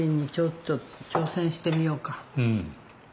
うん。